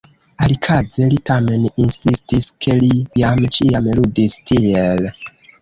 Alikaze li tamen insistis, ke li jam ĉiam ludis tiel.